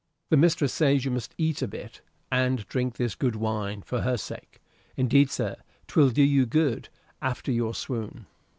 "The mistress says you must eat a bit, and drink this good wine, for her sake. Indeed, sir, 'twill do you good after your swoon."